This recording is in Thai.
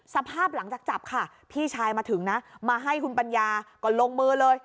สภาพหลังจากจับค่ะพี่ชายมาถึงนะมาให้คุณปัญญาก่อนลงมือเลย